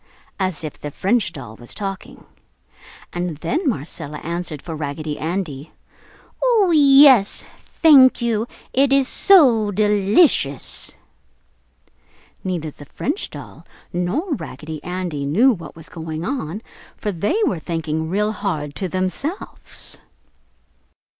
as if the French doll was talking. And then Marcella answered for Raggedy Andy, "Oh, yes, thank you! It is so delicious!" Neither the French doll nor Raggedy Andy knew what was going on, for they were thinking real hard to themselves.